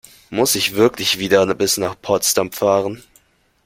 Muss ich wirklich wieder bis nach Potsdam fahren?